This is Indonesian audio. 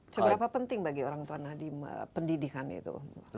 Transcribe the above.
seberapa penting bagi orang tua nadiem pendidikan itu